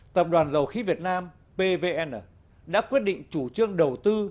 tập đoàn dầu khí việt nam pvn đã quyết định chủ trương đầu tư